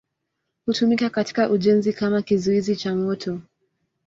Hutumika katika ujenzi kama kizuizi cha moto.